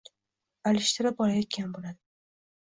alishtirib olayotgan boʼladi